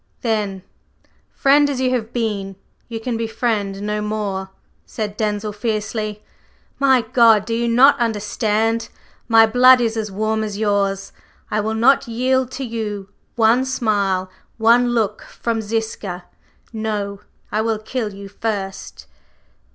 "Then, friend as you have been, you can be friend no more," said Denzil fiercely. "My God! Do you not understand? My blood is as warm as yours, I will not yield to you one smile, one look from Ziska! No! I will kill you first!"